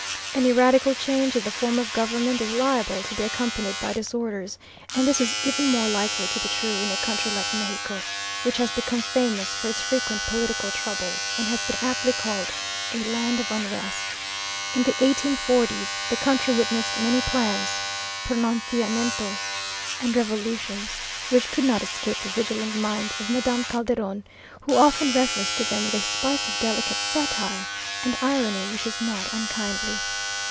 Any radical change in the form of government is liable to be accompanied by disorders, and this is even more likely to be true in a country like Mexico, which has become famous for its frequent political troubles and has been aptly called "a land of unrest." In the eighteen forties the country witnessed many plans, "pronunciamientos" and revolutions, which could not escape the vigilant mind of Madame Calderon, who often refers to them with a spice of delicate satire and irony which is not unkindly.